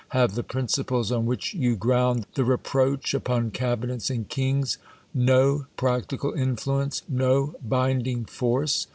Have the principles on which you ground the reproach upon cabinets and kings no prac tical influence, no binding force